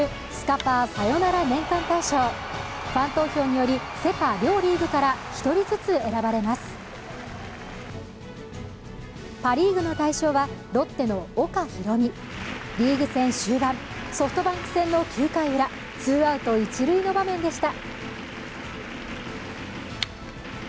パ・リーグの大賞はロッテの岡大海リーグ戦終盤、ソフトバンク戦の９回ウラ、ツーアウト一塁の場面でした。